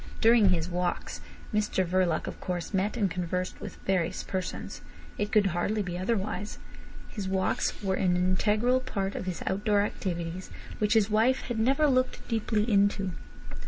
During his "walks" Mr Verloc, of course, met and conversed with various persons. It could hardly be otherwise. His walks were an integral part of his outdoor activities, which his wife had never looked deeply into.